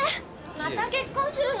また結婚するの？